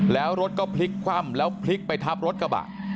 แล้วรถก็พลิกคว่ำแล้วพลิกไปทับรถกระบะ